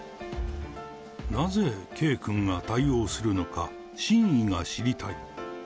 なぜ圭君が対応するのか、真意が知りたい。